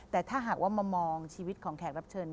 แต่ถ้าหากว่ามามองชีวิตของแขกรับเชิญ